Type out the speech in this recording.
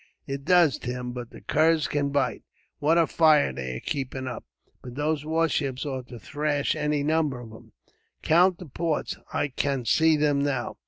"It does, Tim; but the curs can bite. What a fire they are keeping up. But those warships ought to thrash any number of them. Count the ports, I can see them now."